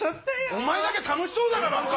お前だけ楽しそうだな何か。